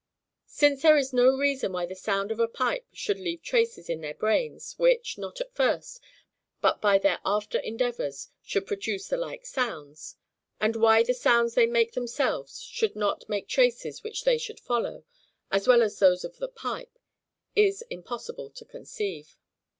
Since there is no reason why the sound of a pipe should leave traces in their brains, which, not at first, but by their after endeavours, should produce the like sounds; and why the sounds they make themselves, should not make traces which they should follow, as well as those of the pipe, is impossible to conceive.